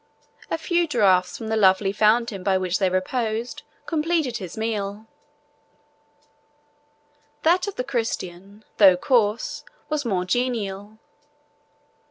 A few draughts from the lovely fountain by which they reposed completed his meal. That of the Christian, though coarse, was more genial.